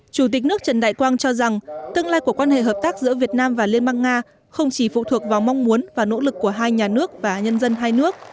chủ tịch nước trần đại quang cho rằng tương lai của quan hệ hợp tác giữa việt nam và liên bang nga không chỉ phụ thuộc vào mong muốn và nỗ lực của hai nhà nước và nhân dân hai nước